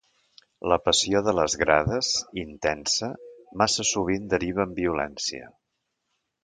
La passió de les grades, intensa, massa sovint deriva en violència.